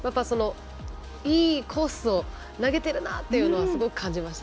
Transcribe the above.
いいコースを投げていることをすごく感じました。